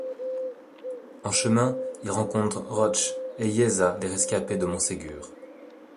En chemin, il rencontre Roç et Yeza, les rescapés de Montségur.